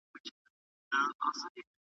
استاد د څيړني پايلي څنګه ارزوي؟